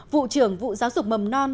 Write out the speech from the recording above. vụ trưởng vụ giáo dục mầm non